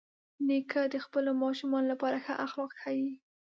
نیکه د خپلو ماشومانو لپاره ښه اخلاق ښيي.